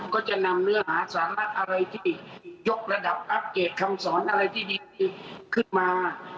ก็จะนำเนื้อหาสาระอะไรที่ยกระดับอัปเดตคำสอนอะไรที่ดีขึ้นมา